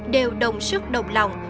đều đồng sức đồng lòng